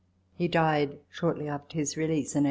He died shortly after his release in 1801.